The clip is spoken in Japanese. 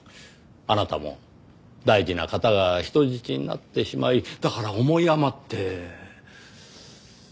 あなたも大事な方が人質になってしまいだから思い余って。